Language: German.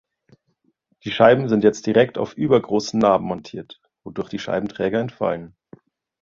Die Scheiben sind jetzt direkt auf übergroßen Naben montiert, wodurch die Scheibenträger entfallen.